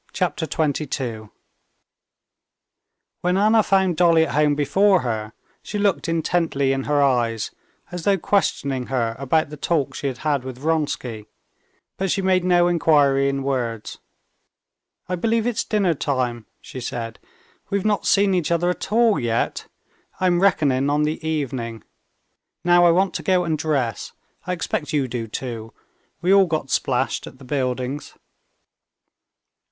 Chapter 22 When Anna found Dolly at home before her, she looked intently in her eyes, as though questioning her about the talk she had had with Vronsky, but she made no inquiry in words. "I believe it's dinner time," she said. "We've not seen each other at all yet. I am reckoning on the evening. Now I want to go and dress. I expect you do too; we all got splashed at the buildings."